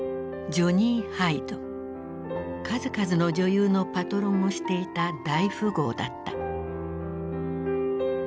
数々の女優のパトロンをしていた大富豪だった。